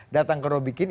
datang ke robiqin